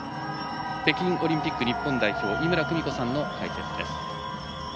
北京オリンピック日本代表井村久美子さんの解説です。